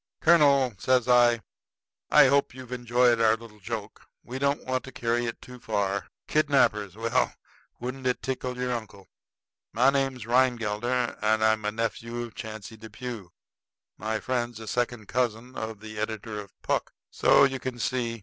"Colonel," says I, "I hope you've enjoyed our little joke. We don't want to carry it too far. Kidnappers! Well, wouldn't it tickle your uncle? My name's Rhinegelder, and I'm a nephew of Chauncey Depew. My friend's a second cousin of the editor of Puck. So you can see.